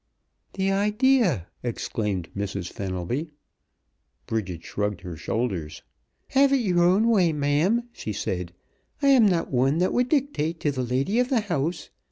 "The idea!" exclaimed Mrs. Fenelby. Bridget shrugged her shoulders. "Have it yer own way, ma'am," she said. "I am not one that would dictate t' th' lady of th' house.